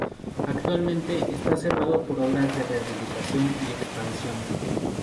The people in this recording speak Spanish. Actualmente está cerrado por obras de rehabilitación y expansión.